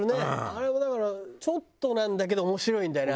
あれもだからちょっとなんだけど面白いんだよね